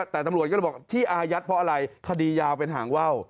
แต่ตำรวจก็เลยบอกที่อายัดเพราะอะไรคดียาวเป็นหางว่าว